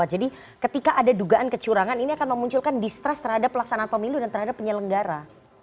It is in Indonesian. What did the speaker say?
jadi ketika ada dugaan kecurangan ini akan memunculkan distress terhadap pelaksanaan pemilu dan terhadap penyelenggara